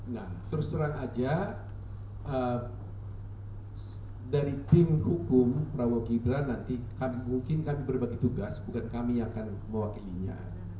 nah terus terang aja dari tim hukum prabowo gibran nanti mungkin kami berbagi tugas bukan kami yang akan mewakilinya